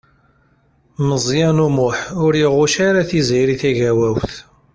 Meẓyan U Muḥ ur iɣucc ara Tiziri Tagawawt.